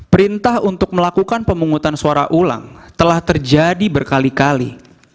perintah untuk melakukan pemungutan suara ulang telah terjadi berkali kali